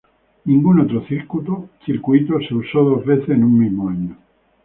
Ningún otro circuito se usó dos veces en un mismo año.